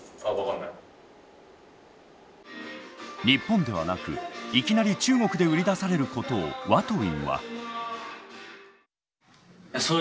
日本ではなくいきなり中国で売り出されることをＷＡＴＷＩＮＧは。